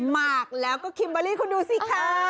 หมากแล้วก็คิมเบอร์รี่คุณดูสิค่ะ